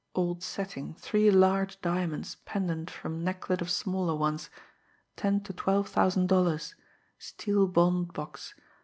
old setting, three large diamonds pendant from necklet of smaller ones... ten to twelve thousand dollars... steel bond box...